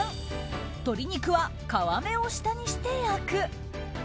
３鶏肉は皮目を下にして焼く。